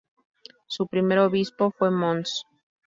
Su primer obispo fue Mons.